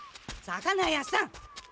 魚屋さん！